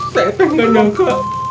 seteh nggak nyangka